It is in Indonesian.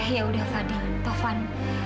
yaudah fadil taufan